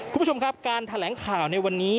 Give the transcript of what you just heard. คุณผู้ชมครับการแถลงข่าวในวันนี้